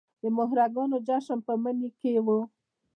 د مهرګان جشن په مني کې و